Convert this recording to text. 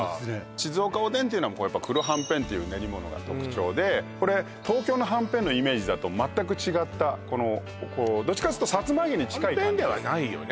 静岡おでんは黒はんぺんという練り物が特徴でこれ東京のはんぺんのイメージだと全く違ったどっちかというとさつま揚げに近い感じはんぺんではないよね